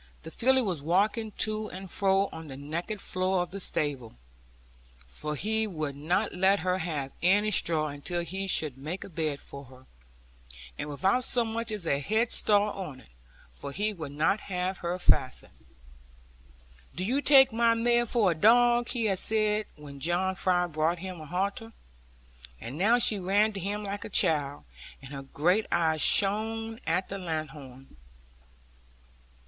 The filly was walking to and fro on the naked floor of the stable (for he would not let her have any straw, until he should make a bed for her), and without so much as a headstall on, for he would not have her fastened. 'Do you take my mare for a dog?' he had said when John Fry brought him a halter. And now she ran to him like a child, and her great eyes shone at the lanthorn.